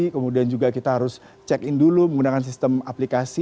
kemudian juga kita harus check in dulu menggunakan sistem aplikasi